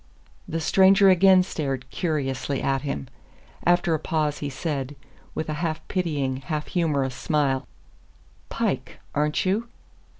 The stranger again stared curiously at him. After a pause he said, with a half pitying, half humorous smile: "Pike aren't you?"